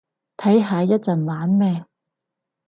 睇下一陣玩咩